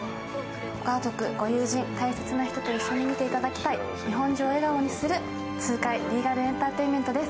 ご家族、ご友人、大切な人と見ていただきたい、日本中を笑顔にする痛快リーガル・エンターテインメントです。